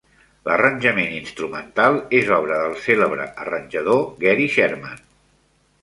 L'arranjament instrumental és obra del cèlebre arranjador Gary Sherman.